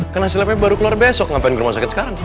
kan hasilnya baru keluar besok ngapain ke rumah sakit sekarang